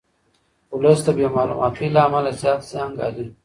ولس د بې معلوماتۍ له امله زیات زیان ګالي.